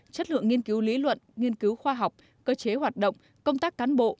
chất lượng nghiên cứu lý luận nghiên cứu khoa học cơ chế hoạt động công tác cán bộ